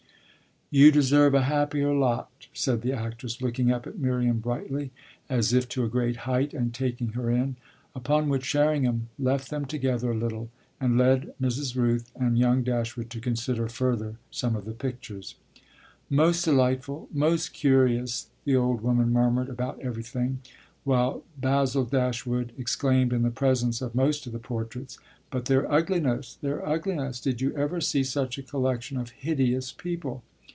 _ "You deserve a happier lot," said the actress, looking up at Miriam brightly, as if to a great height, and taking her in; upon which Sherringham left them together a little and led Mrs. Rooth and young Dashwood to consider further some of the pictures. "Most delightful, most curious," the old woman murmured about everything; while Basil Dashwood exclaimed in the presence of most of the portraits: "But their ugliness their ugliness: did you ever see such a collection of hideous people?